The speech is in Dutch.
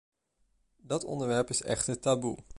Dat onderwerp is echter taboe.